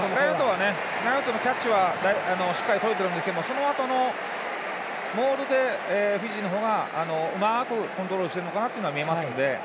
ラインアウトのキャッチはしっかりとれているんですがそのあとのモールでフィジーの方がうまくコントロールしてるかなというのは見えますので。